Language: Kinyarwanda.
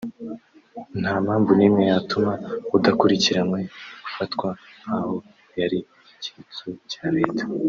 nta mpamvu n’imwe yatuma udakurikiranywe afatwa nk’aho yari icyitso cya Leta